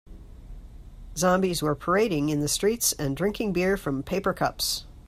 Zombies were parading in the streets and drinking beer from paper cups.